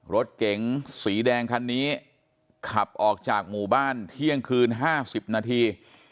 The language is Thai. รถเก๋งสีแดงคันนี้ขับออกจากหมู่บ้านเที่ยงคืน๕๐นาที